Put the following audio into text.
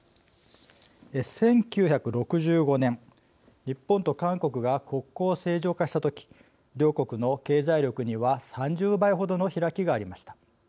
１９６５年日本と韓国が国交を正常化した時両国の経済力には３０倍程の開きがありました。